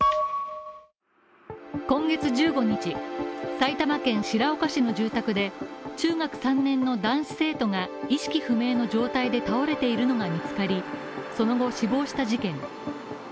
今月１５日、埼玉県白岡市の住宅で、中学３年の男子生徒が意識不明の状態で倒れているのが見つかり、その後死亡した事件。